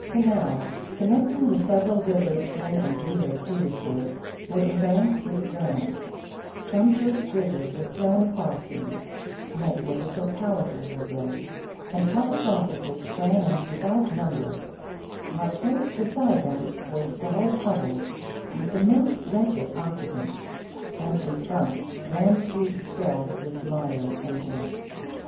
Canals, connecting the several rivers in and near Petersburg, were embanked with granite ; sumptuous bridges were thrown across them ; magnificent palaces were built and public offices sprang up without number, while close beside them were squalid hovels with the most wretched occupants, and in front ran streets filled with mire and dirt.